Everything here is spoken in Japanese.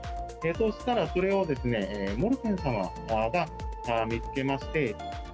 そしたらそれをですね、モルテンさんが見つけまして。